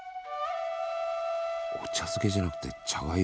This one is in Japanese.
お茶漬けじゃなくて茶がゆ。